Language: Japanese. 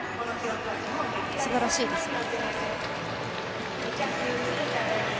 すばらしいですね。